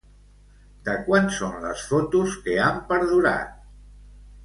De quan són les fotos que han perdurat?